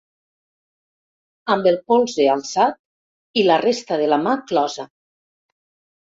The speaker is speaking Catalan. Amb el polze alçat i la resta de la mà closa.